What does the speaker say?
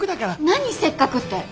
何「せっかく」って？